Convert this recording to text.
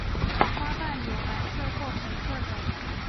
花瓣有白色或粉色的。